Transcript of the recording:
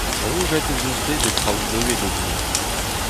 Soñjet ez eus bet e traoù nevez d'ober.